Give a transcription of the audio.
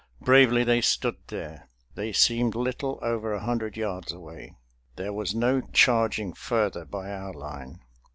Bravely they stood there. They seemed little over a hundred yards away. There was no charging further by our line.